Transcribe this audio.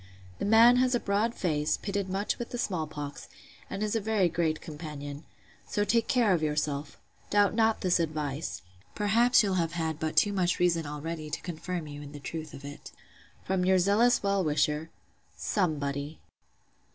The man has a broad face, pitted much with the small pox, and is a very great companion. So take care of yourself. Doubt not this advice. Perhaps you'll have had but too much reason already to confirm you in the truth of it. From your zealous well wisher, 'SOMEBODY.